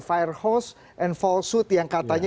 firehouse and falsehood yang katanya